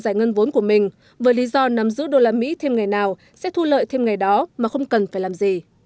giải ngân vốn của mình với lý do nắm giữ đô la mỹ thêm ngày nào sẽ thu lợi thêm ngày đó mà không cần phải làm gì